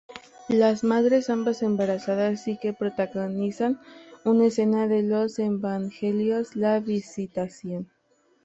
Las madres, ambas embarazadas, sí que protagonizan una escena de los evangelios: la Visitación.